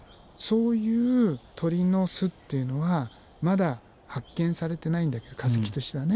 そういう鳥の巣っていうのはまだ発見されてないんだけど化石としてはね。